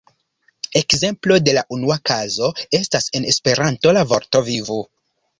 Ekzemplo de la unua kazo estas en Esperanto la vorto "vivu!